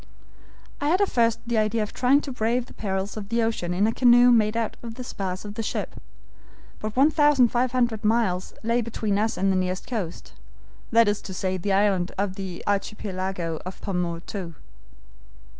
"I had at first the idea of trying to brave the perils of the ocean in a canoe made out of the spars of the ship, but 1,500 miles lay between us and the nearest coast, that is to say the islands of the Archipelago of Pomotou.